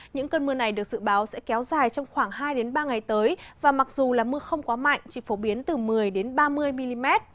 những cơn mưa này được dự báo sẽ kéo dài trong khoảng hai ba ngày tới và mặc dù là mưa không quá mạnh chỉ phổ biến từ một mươi ba mươi mm